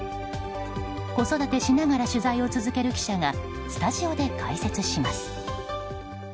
子育てしながら取材を続ける記者がスタジオで解説します。